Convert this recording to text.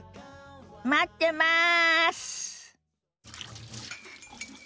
待ってます！